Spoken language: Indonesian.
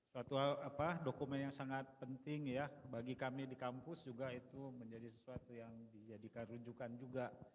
suatu dokumen yang sangat penting ya bagi kami di kampus juga itu menjadi sesuatu yang dijadikan rujukan juga